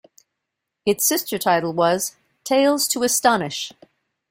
Its sister title was "Tales to Astonish".